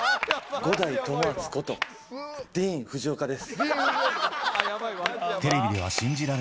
五代友厚ことディーン・フジオカです。